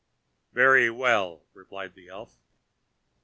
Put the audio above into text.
"Very well," replied the elf.